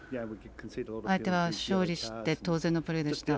相手は勝利して当然のプレーでした。